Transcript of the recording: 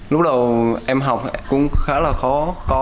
lúc đầu em học cũng khá là khó